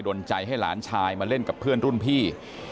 ดนใจให้หลานชายมาเล่นกับเพื่อนรุ่นพี่